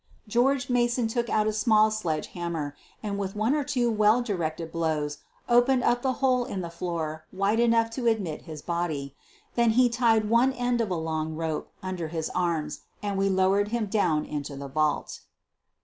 George Mason took a small sledge hammer and with one or two well directed blows opened up the hole in the floor wide enough to admit his body. Then he tied one end of a long rope under his arms and we lowered him down into the vault.